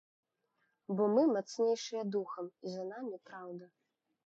Бо мы мацнейшыя духам і за намі праўда.